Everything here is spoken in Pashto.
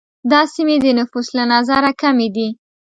دا سیمې د نفوس له نظره کمي دي.